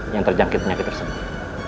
yang terjangkit penyakit tersebut